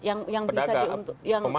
yang bisa diuntung